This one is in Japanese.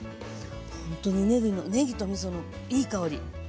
本当にねぎとみそのいい香り。